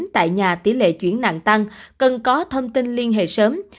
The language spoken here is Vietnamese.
tại nhà tỷ lệ chuyển nạn tăng cần có thông tin liên hệ sớm